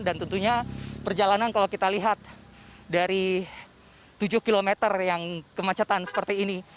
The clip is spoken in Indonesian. dan tentunya perjalanan kalau kita lihat dari tujuh km yang kemacetan seperti ini